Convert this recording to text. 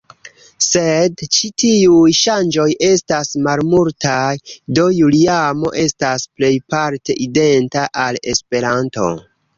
Sed ĉi tiuj ŝanĝoj estas malmultaj, do Juliamo estas plejparte identa al Esperanto.